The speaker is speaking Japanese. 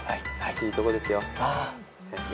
いいとこですよ。